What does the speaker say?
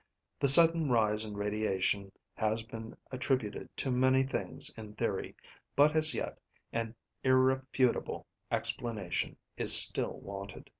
The sudden rise in radiation has been attributed to many things in theory, but as yet, an irrefutable explanation is still wanted.